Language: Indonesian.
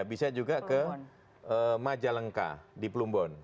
bisa juga ke majalengka di plumbon